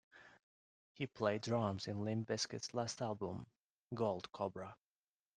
He played drums in Limp Bizkit's last album, "Gold Cobra".